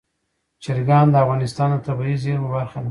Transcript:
چرګان د افغانستان د طبیعي زیرمو برخه ده.